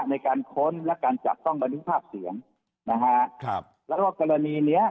ในการค้นและการจับต้องบันทึกภาพเสียงนะฮะครับแล้วก็กรณีเนี้ย